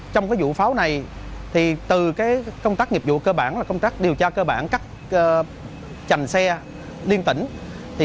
trong cái vụ pháo này từ công tác nghiệp vụ cơ bản là công tác điều tra cơ bản các trành xe liên tỉnh